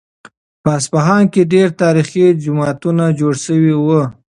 په اصفهان کې ډېر تاریخي جوماتونه جوړ شوي وو.